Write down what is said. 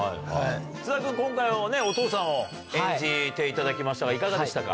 津田君、今回はお父さんを演じていただきましたが、いかがでしたか？